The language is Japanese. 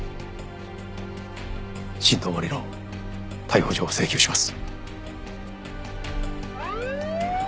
新道真理の逮捕状を請求します。